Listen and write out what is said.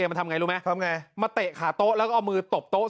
มันทำอย่างไรรู้ไหมมาเตะขาโต๊ะแล้วก็เอามือตบโต๊ะ